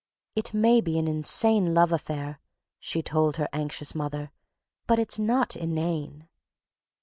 "It may be an insane love affair," she told her anxious mother, "but it's not inane."